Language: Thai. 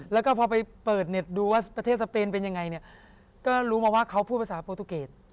แล้วก็พอไปเปิดเน็ตดูประเทศสเปนเป็นยังไงก็รู้มาว่าเค้าพูดภาษาโปทุเกจ